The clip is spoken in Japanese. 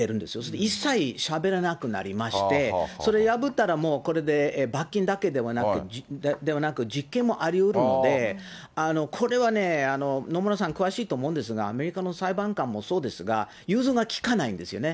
で、一切しゃべらなくなりまして、それ破ったら、もうこれで罰金だけではなく、実刑もありうるので、これはね、野村さん、詳しいと思うんですが、アメリカの裁判官もそうですが、融通がきかないんですよね。